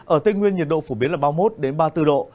ở tây nguyên nhiệt độ phổ biến là ba mươi một ba mươi bốn độ